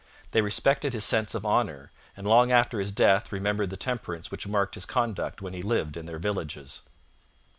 They respected his sense of honour, and long after his death remembered the temperance which marked his conduct when he lived in their villages.